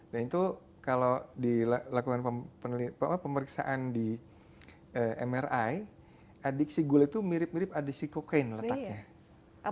dan itu kalau dilakukan pemeriksaan di mri adik si gula itu mirip mirip adik si kokain letaknya